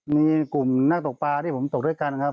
มีกลุ่มนักตกปลาที่ผมตกด้วยกันครับ